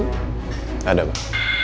tidak ada pak